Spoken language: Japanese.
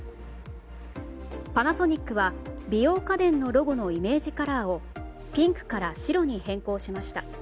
パナソニックは美容家電のロゴのイメージカラーをピンクから白に変更しました。